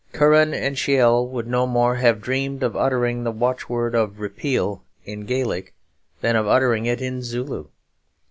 Curran and Sheil would no more have dreamed of uttering the watchword of 'Repeal' in Gaelic than of uttering it in Zulu.